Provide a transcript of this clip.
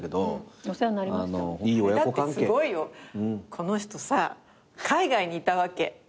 この人さ海外にいたわけ。